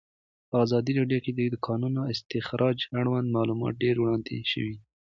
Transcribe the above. په ازادي راډیو کې د د کانونو استخراج اړوند معلومات ډېر وړاندې شوي.